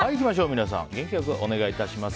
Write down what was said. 皆さん、元気良くお願いします。